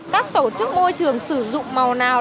các tổ chức môi trường sử dụng màu nào